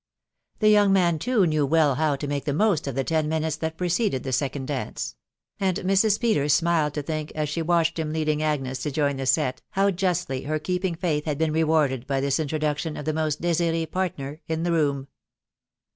The young man, too, knew well how to, make the most of the ten minutes that preceded the second dance; and Mrs. Peters smiled to think, as she watched • him leading Agnes to join the set, how justly her keeping faith had been rewarded by this introduction of the most desire partner in the room.